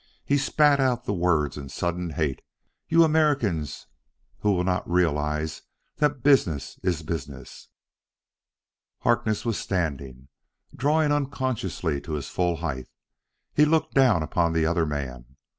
He spat out the words in sudden hate. "You Americans who will not realize that business is business!" Harkness was standing, drawn unconsciously to his full height. He looked down upon the other man.